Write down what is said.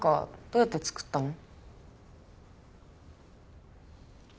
どうやって作ったの？